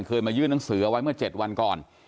เคยมายื่นหนังสือเอาไว้เมื่อ๗วันก่อน